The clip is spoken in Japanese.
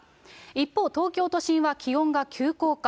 一方、東京都心は気温が急降下。